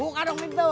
buka dong pintu